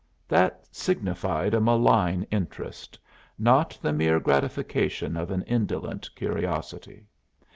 That signified a malign interest not the mere gratification of an indolent curiosity.